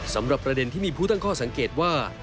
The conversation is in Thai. สำหรับประเด็นที่มีผู้ตั้งข้อสังเกตว่า